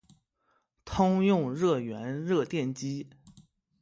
通用热源热电机。